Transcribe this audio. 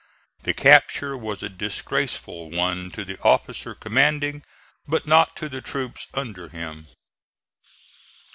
The capture was a disgraceful one to the officer commanding but not to the troops under him.